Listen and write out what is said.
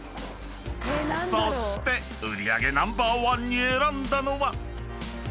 ［そして売り上げナンバーワンに選んだのは］